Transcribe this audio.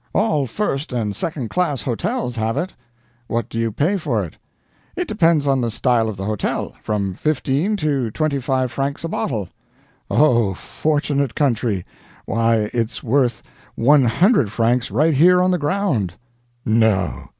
All first and second class hotels have it." "What do you pay for it?" "It depends on the style of the hotel from fifteen to twenty five francs a bottle." "Oh, fortunate country! Why, it's worth 100 francs right here on the ground." "No!"